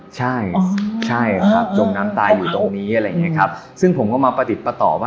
ใช่ใช่ครับจมน้ำตายอยู่ตรงนี้อะไรอย่างเงี้ยครับซึ่งผมก็มาประติดประต่อว่า